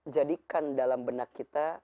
jadikan dalam benak kita